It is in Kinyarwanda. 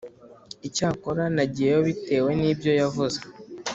Icyakora nagiyeyo bitewe n ibyo yavuze